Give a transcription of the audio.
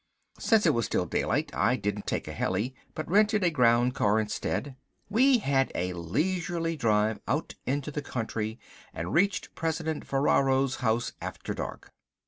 Since it was still daylight I didn't take a heli, but rented a groundcar instead. We had a leisurely drive out into the country and reached President Ferraro's house after dark.